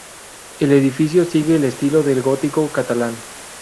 El edificio sigue el estilo del gótico catalán.